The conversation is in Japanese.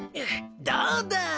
どうだぁ！